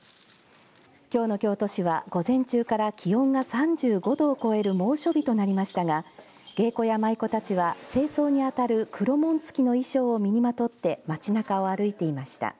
きょうの京都市は午前中から気温が３５度を超える猛暑日となりましたが芸妓や舞妓たちは正装に当たる黒紋付の衣装身をまとって街なかを歩いていました。